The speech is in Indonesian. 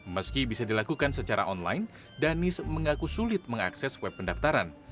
meski bisa dilakukan secara online danis mengaku sulit mengakses web pendaftaran